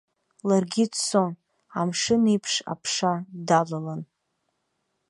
Ларгьы дцон, амшын еиԥш аԥша далалан.